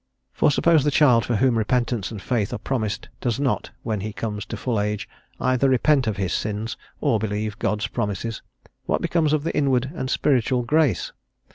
For suppose the child for whom repentance and faith are promised does not, when he comes to full age, either repent of his sins or believe God's promises, what becomes of the inward and spiritual grace?